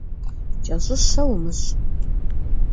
Кӏэщӏыщэ умыщӏ.